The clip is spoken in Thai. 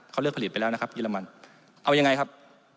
เขาเลือกผลิตไปแล้วนะครับเยอรมันเอายังไงครับ